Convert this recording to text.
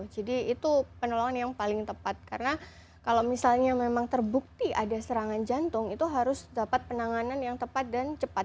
jadi itu penolongan yang paling tepat karena kalau misalnya memang terbukti ada serangan jantung itu harus dapat penanganan yang tepat dan cepat